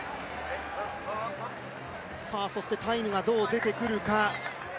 そしてタイムがどう出てくるか。